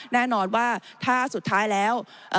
แน่นอนว่าถ้าสุดท้ายแล้ว